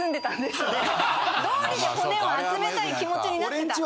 どうりで骨を集めたい気持ちになってた。